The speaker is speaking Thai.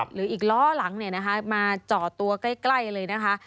หรืออีกล้อหลังเนี่ยนะคะมาจ่อตัวกล้าใกล้เลยนะคะ